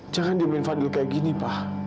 jangan diemin fadil kayak gini pa